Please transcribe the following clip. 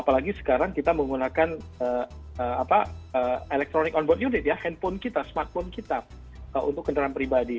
apalagi sekarang kita menggunakan electronic on board unit ya handphone kita smartphone kita untuk kendaraan pribadi